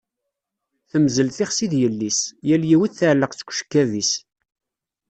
Temmzel tixsi d yelli-s, yal yiwet tɛelleq seg ucekkab-is.